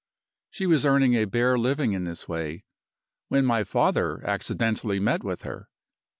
"She was earning a bare living in this way, when my father accidentally met with her.